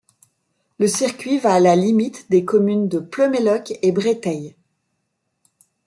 Le circuit va à la limite des communes de Pleumeleuc et Breteil.